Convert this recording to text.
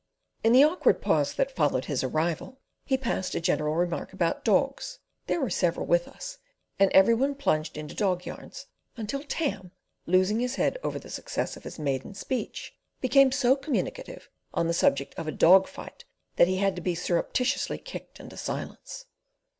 In the awkward pause that followed his arrival he passed a general remark about dogs—there were several with us—and every one plunged into dog yarns, until Tam, losing his head over the success of his maiden speech, became so communicative on the subject of a dog fight that he had to be surreptitiously kicked into silence.